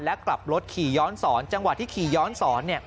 และกลับรถขี่ย้อนสอนจังหวะที่ขี่ย้อนสอน